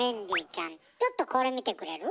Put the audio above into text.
ちょっとこれ見てくれる？